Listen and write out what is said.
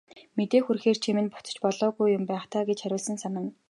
Мэдээ хүргэхээр чи минь буцаж болоогүй юм байх даа гэж харуусан санана.